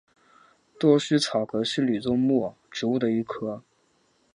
多须草科是棕榈目植物的一科。